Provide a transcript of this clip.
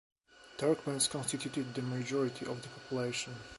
Turkmens constituted the majority of the population.